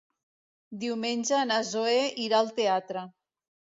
Diumenge na Zoè irà al teatre.